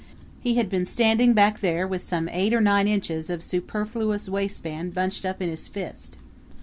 He had been standing back there with some eight or nine inches of superfluous waistband bunched up in his fist.